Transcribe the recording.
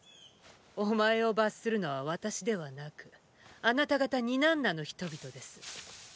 お前を罰するのは私ではなくあなたがたニナンナの人々です。